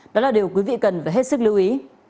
đó là điều quý vị cần phải hết sức lưu ý